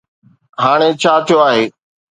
هاڻي ڇا ٿيو آهي؟